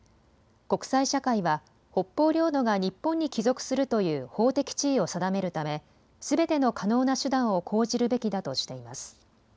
国際社会は北方領土が日本に帰属するという法的地位を定めるためすべての可能な手段を講じるべきだとしています。